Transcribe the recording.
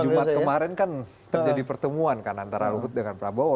jumat kemarin kan terjadi pertemuan kan antara luhut dengan prabowo